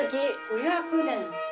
５００年。